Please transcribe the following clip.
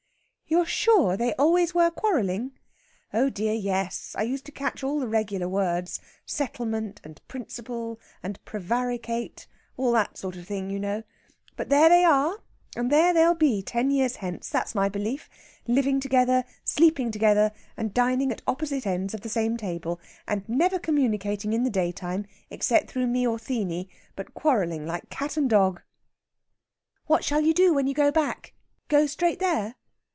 "You're sure they always were quarrelling?" "Oh dear, yes. I used to catch all the regular words settlement and principal and prevaricate. All that sort of thing, you know. But there they are, and there they'll be ten years hence, that's my belief, living together, sleeping together, and dining at opposite ends of the same table, and never communicating in the daytime except through me or Theeny, but quarrelling like cat and dog." "What shall you do when you go back? Go straight there?"